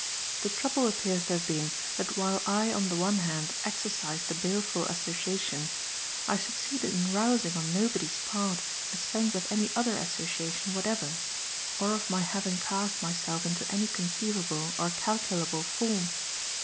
The trouble appears to have been that while I on the one hand exorcised the baleful association, I succeeded in rousing on nobody's part a sense of any other association whatever, or of my having cast myself into any conceivable or calculable form.